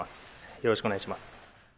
よろしくお願いします。